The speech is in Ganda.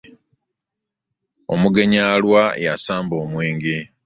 Omugenyi alwa y'asamba omwenge .